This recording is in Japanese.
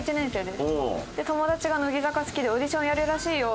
で友達が乃木坂好きでオーディションやるらしいよ